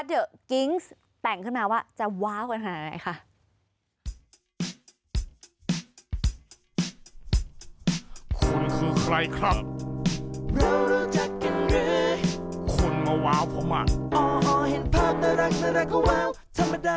เดี๋ยวกิ๊งแต่งขึ้นมาว่าจะว้าวกันขนาดไหนค่ะ